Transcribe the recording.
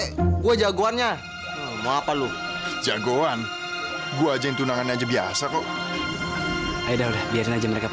tuh jagoannya mau apa lu jagoan gua ajang tunangan aja biasa kok ayo udah biarin aja mereka